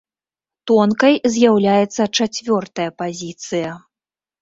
Тонкай з'яўляецца чацвёртая пазіцыя.